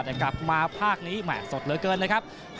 แต่กลับมาภาคนี้แหม่สดเหลือเกินเลยครับ